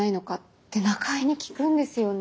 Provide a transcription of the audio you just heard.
って中江に聞くんですよね。